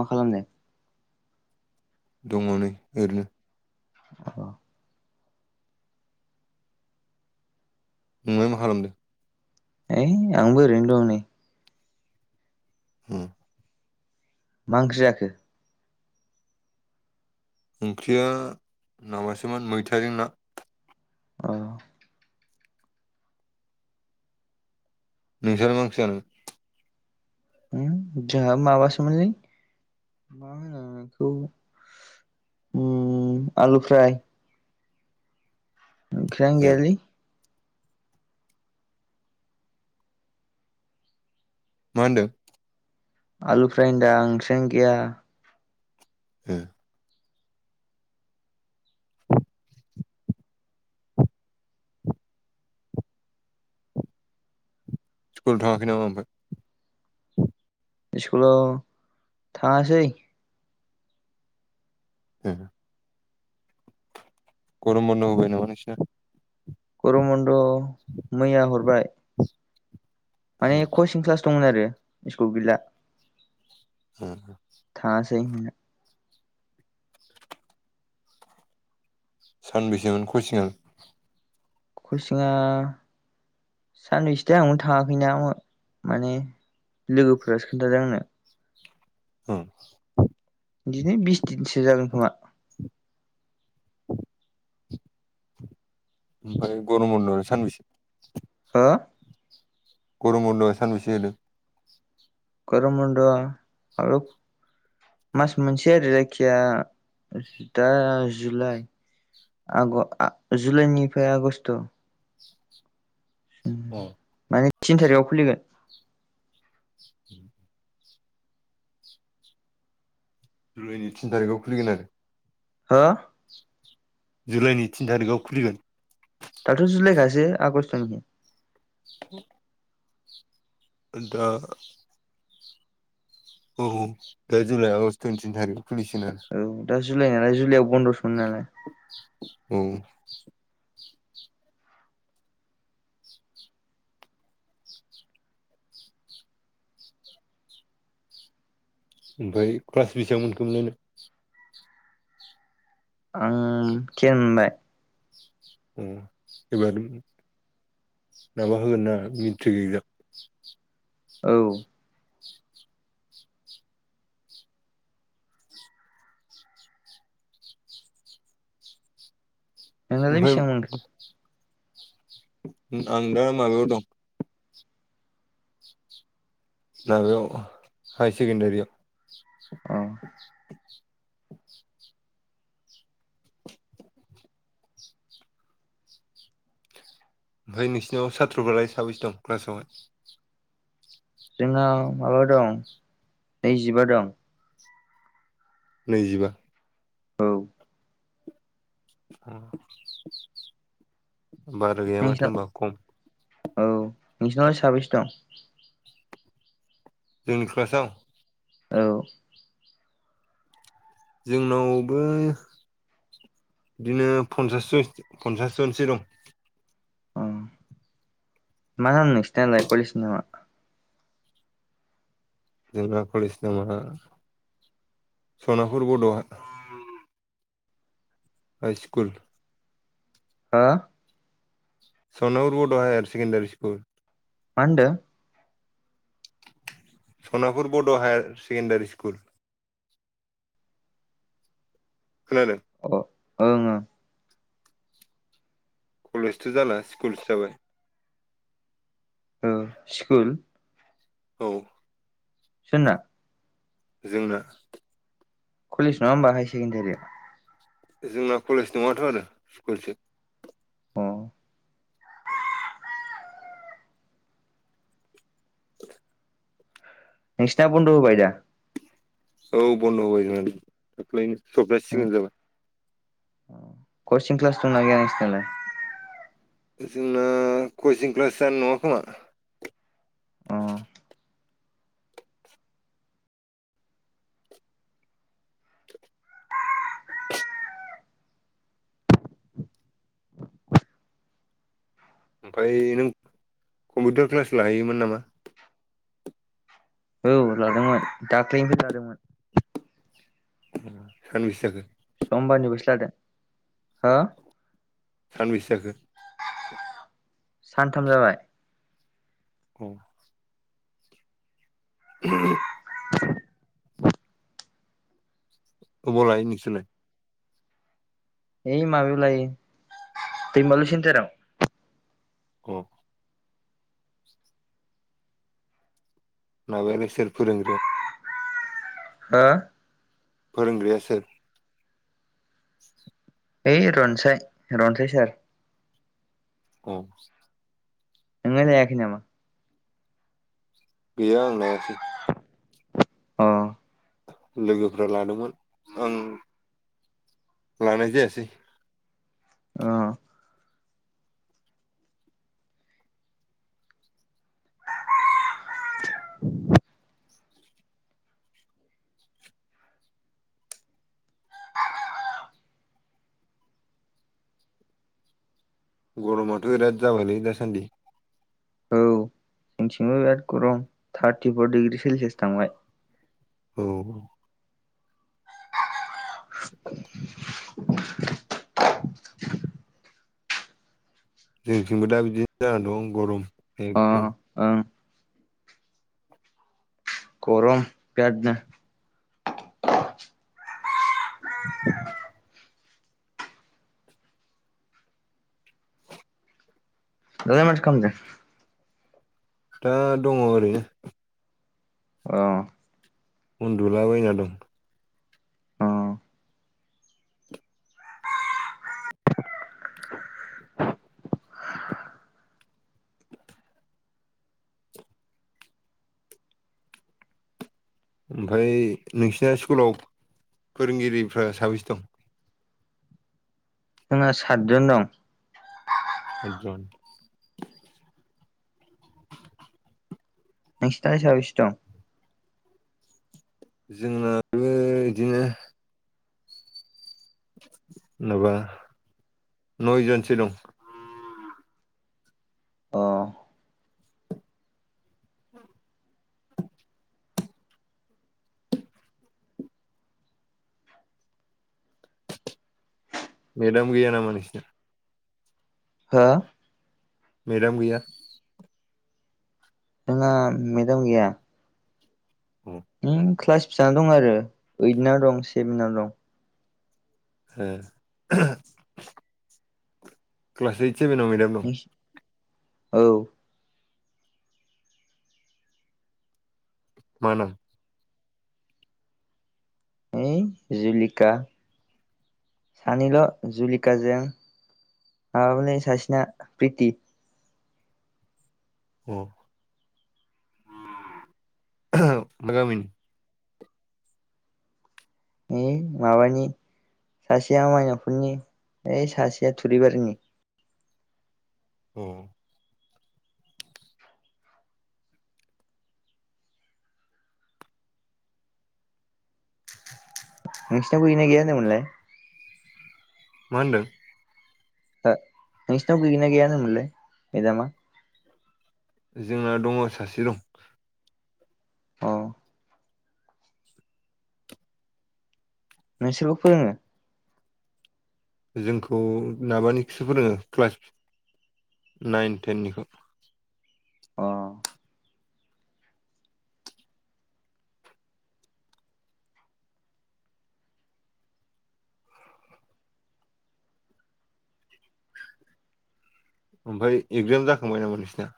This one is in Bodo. मा खालामदों? दङ नै ओरैनो अ नों आं [unintelligible] है आंबो ओरैनो दं नै ए मा ओंख्रि जाखो? ओंख्रिया माबासोमोन मैथाजों ना अ नोंसिना मा ओंख्रि जाखो जोंहाबो माबासोमोनलै मा होनो बेखौ ओ आलुफ्राय ओंख्रिआनो ए गैयालै मा होनदों? आलु फ्राइ होनदां ओंख्रियानो गैया ए स्कुल थाङाखै नामा ओमफ्राय इसकुलाव थाङासै। ए गरम बन्द होबाय नामा नोंसिना गरम बन्द मैया हरबाय। माने उम कचिं क्लास दंमोन आरो इस्कुल गैला। ए दोनैना [unintelligible] सानबैसेनि खसिंङा खसिंआ सानबैसोथाय आंबो थाङाखैना माने लोगोफोरासो खोन्थादोंमोन आंनो ह बिदिनो बिस दिनसो जागोन खोमा ओमफ्राय गरम बन्द आलाय सानबैसे हा गरम बन्द आ सानबैसे होनदों गरम बन्द आ ओ मास मोनसे आरो जायखिया दा जुलाइ जुलाइनिफ्राय आगषट औ माने थिन थारिगाव खुलिगोन ओम जुलाइनि थिन थारिगाव खुलिगोन आरो हो जुलाइनि थिन थारिगाव खुलिगोन दाथ' जुलायखासो आगष्ट'नि [inaudible] दा [unintelligible] औ दा जुलाइ आगष्ट'नि थिन थारिग खुलिसिगोन आरो औ दा जुलाय नालाय जुलायाव बन्दसो मोनो नालाय औ। ओमफाय क्लास बेसेबां मोनखोमोनलाय नों? आं थेन मोनबाय अ एबार माबा होगोन ना मिट्रिग एगजाम? औ नोंनालाय ओमफाय बेसेबां मोनखो आं दा माबायाव दं माबायावब हाय सकेणन्दारियाव अ ओमफाय नोंसिनाव साथ्र'फालाय साबैसे दं क्लासावहाय? जोंनाव माबा दं नैजिबा दं नैजिबा औ बारा गैया माथो होनबा नोंसिनाव खम औ नोंसिनावलाय साबैसे दं? जोंनि क्लासाव? औ जोंनावबो बिदिनो पन्सास जन पन्सास जनसो दं अ मा नाम नोंसिनालाय कलेजनि नामा? जोंना कलेज नामा सनापुर बड' हाइस्कुल हा? सनाफुर बड' हायार सेकेणडारि स्कुल मा होनदों? सनापुर बड' हायार सेकेण्डारि स्कुल खोनादों? अ ओं ओं कलेजथ' जाला स्कुलसो जाबाय औ स्कुल औ सोरना? जोंना कलेज नङा होमबा हाय सेकेणडारिया? जोंना कलेज नङाथ' आरो स्कुलसो अ नोंसिना बन्द' होबाय दा? औ बन्द' होबाय जोंना दाख्लैनो सप्तासे सिगां जाबाय अ कसिं क्लास दंना गैया नोंसिनालाय? जोंना कचिं क्लासा जानाय नङा खोमा अ ओमफाय नों कम्पिउटार क्लास लाहैयोमोन नामा? औ लादोंमोन दाख्लैनिफ्राय लादोंमोन। सानबैसे जाखो? समबारनिबोसो लादों हो सानबैसे जाखो? सानथाम जाबाय। औ [unintelligible] अबाव लायो नोंसोरलाय? है माबायाव दैमालु सेन्थाराव। औ माबायालाय सोर फोंरोंग्राया? हो? फोरोंग्राया सोर? है रनसाय रनसाय सार औ नोंलाय नायाखैनामा? गैया आं नायाखै अह लोगोफ्रा लादोंमोन आं लानाय जायासै अह गरमाथ' बिराद जाबायालै दासान्दि? औ जोंथिंबो बिराद गरम थार्टिफर डिग्रि सेलसियास थांबाय औ जोंथिंबो दा बिदिनो जानानानै दं गरम अ एकदम ओं बेरादनो दालाय माथो खामदों? दा दङ ओरैनो अ उन्दुलाबायना दं। अ ओमफफ्राय नोंसिना स्कुलाव फोरोंगिरिफ्रा साबैसे दं? जोंहा सातजन दं। सात जन नोंसिना साबैसे दं? जोंनाबो बिदिनो माबा नयजनसो दं अ औ मेदाम गैया नामा नोंसिना? हा? मेलाम गैया? आ मेदाम गैया अ होम क्लास फिसाना दं आरो ओइदाव दं सेभेनाव दं ए क्लास ओइत सेबेनाव मेडाम दं? नोंसि औ मा नाम? ओइ जुलिका सानै ल' जुलिका जों माबालै सासिना प्रिथि अ मा गामिनि? ओइ माबानि सासेया माइनावफोरनि ओइ सासेया थुरिबारिनि औ नोंसिना गैगोना गैया होनदोंमोनलाय? मा होनदों? नोंसिनाव गैगोनना गैयानोमोनलाय मेदामा? जोंना दङ सासे दं। औ नोंसोरबो फोरोङो? जोंखौ माबानिखौसो फोरोङो क्लास नाइन टेननिखौ अह ओमफ्राय एगजाम जाखांबाय नामा नोंसिना?